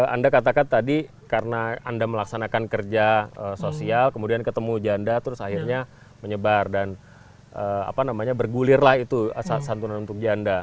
anda katakan tadi karena anda melaksanakan kerja sosial kemudian ketemu janda terus akhirnya menyebar dan bergulirlah itu santunan untuk janda